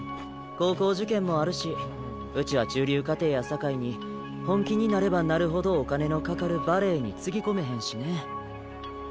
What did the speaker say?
高校受験もあるしうちは中流家庭やさかいに本気になればなるほどお金のかかるバレエにつぎ込めへんしね。